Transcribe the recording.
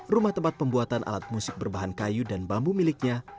rumah tempat pembuatan alat musik berbahan kayu dan bambu miliknya